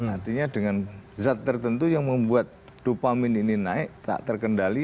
artinya dengan zat tertentu yang membuat dopamin ini naik tak terkendali